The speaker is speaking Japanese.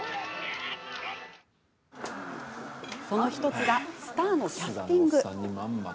その１つがスターのキャスティング。